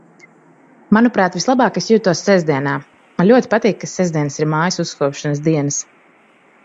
Manuprāt, vislabāk es jūtos sestdienā. Man ļoti patīk, ka sestdienas ir mājas uzkopšanas dienas.